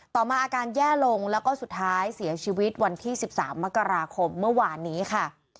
ต่อมาอาการแย่ลงแล้วก็สุดท้ายเสียชีวิตวันที่๑๓มกราคมเมื่อวานนี้ค่ะ